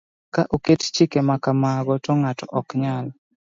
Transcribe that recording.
Ka oket chike ma kamago, to ng'ato ok nyal